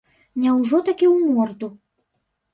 Няўжо такі ў морду?